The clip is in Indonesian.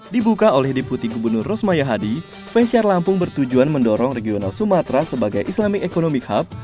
dibuka oleh diputi gubernur rosmaya hadi fesyar lampung bertujuan mendorong regional sumatra sebagai islamic economic hub